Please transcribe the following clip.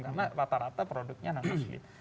karena rata rata produknya non muslim